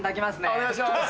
お願いします。